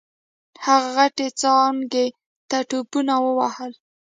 هغه غټې څانګې ته ټوپونه ووهل.